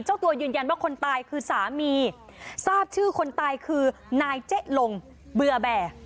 เจ้าตัวยืนยันว่าคนตายคือสามีทราบชื่อคนตายคือนายเจ๊ลงเบื่อแบร์